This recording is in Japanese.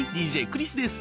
ＤＪクリスです。